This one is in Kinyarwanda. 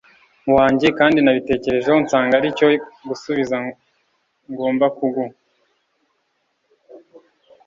wanjye kandi nabitekerejeho nsanga ari cyo gusubizo ngomba kuguha